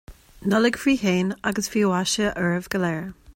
Nollaig faoi shéan agus faoi mhaise oraibh go léir